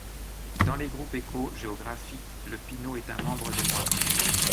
Dans les groupes éco-géographiques, le Pinot est un membre des Noiriens.